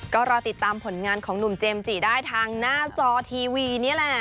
ก็รอติดตามผลงานของหนุ่มเจมส์จิได้ทางหน้าจอทีวีนี่แหละ